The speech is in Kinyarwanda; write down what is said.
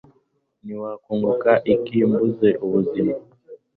nti wakunguka iki mbuze ubuzima